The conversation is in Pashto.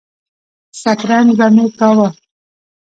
سترنج به مې کاوه.